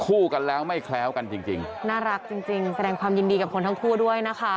คู่กันแล้วไม่แคล้วกันจริงจริงน่ารักจริงจริงแสดงความยินดีกับคนทั้งคู่ด้วยนะคะ